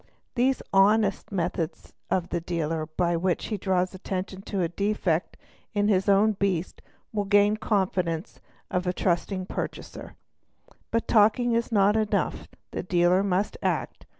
These "honest" methods of a dealer by which he draws attention to a defect in his own beast, always gain the confidence of the trusting purchaser. But talking is not enough, the dealer must act.